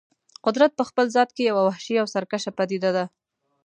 قدرت په خپل ذات کې یوه وحشي او سرکشه پدیده ده.